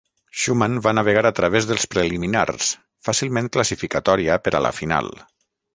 Schumann va navegar a través dels preliminars, fàcilment classificatòria per a la final.